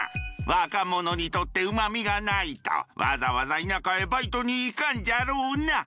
若者にとってうまみがないとわざわざ田舎へバイトに行かんじゃろうな。